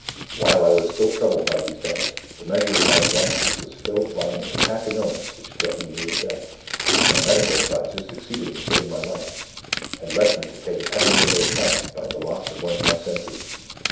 "While I was still troubled by these doubts, the measure of my disasters was filled by an attack of illness which threatened me with death. My medical advisers succeeded in saving my life and left me to pay the penalty of their triumph by the loss of one of my senses.